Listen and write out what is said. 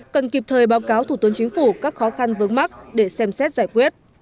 cần kịp thời báo cáo thủ tướng chính phủ các khó khăn vướng mắt để xem xét giải quyết